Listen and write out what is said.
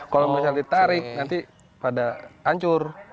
kalau misalnya ditarik nanti pada hancur